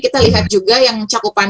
kita lihat juga yang cakupan